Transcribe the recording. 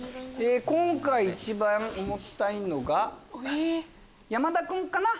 今回一番重たいのが山田君かな。